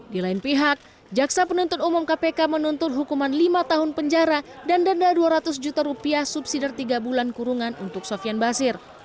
di lain pihak jaksa penuntut umum kpk menuntut hukuman lima tahun penjara dan denda dua ratus juta rupiah subsidi tiga bulan kurungan untuk sofian basir